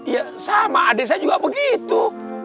ya sama adik saya juga begitu